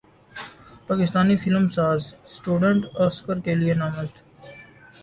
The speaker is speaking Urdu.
پاکستانی فلم ساز سٹوڈنٹ اسکر کے لیے نامزد